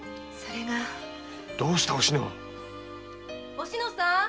・おしのさん。